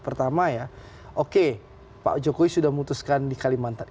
pertama ya oke pak jokowi sudah memutuskan di kalimantan